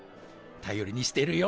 たよりにしてるよ。